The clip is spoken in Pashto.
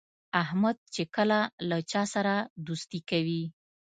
احمد چې کله له چا سره دوستي کوي،